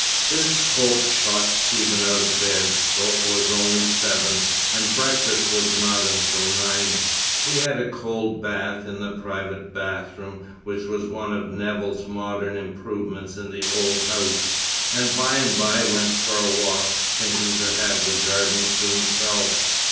This hope shot Stephen out of bed, though it was only seven, and breakfast was not until nine. He had a cold bath in the private bathroom, which was one of Nevill's modern improvements in the old house, and by and by went for a walk, thinking to have the gardens to himself.